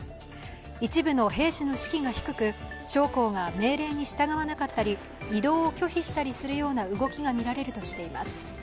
一部の兵士の士気が低く、将校が命令に従わなかったり移動を拒否したりするような動きがみられるとしています。